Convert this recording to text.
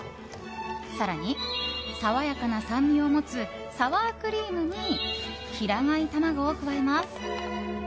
更に、爽やかな酸味を持つサワークリームに平飼い卵を加えます。